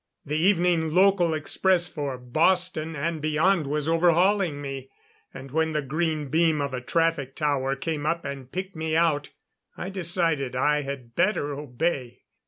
The evening local express for Boston and beyond was overhauling me. And when the green beam of a traffic tower came up and picked me out, I decided I had better obey.